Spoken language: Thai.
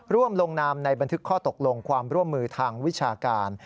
ร่วมลงนามในบันทึกข้อตกลงความร่วมมือทางวิชาการ